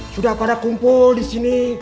sudah pada kumpul disini